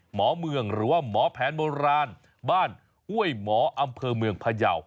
หมอเมืองหรือว่าหมอแผนโบราณบ้านห้วยหมออำเภอเมืองพยาว